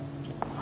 あ。